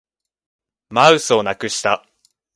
マウスをなくした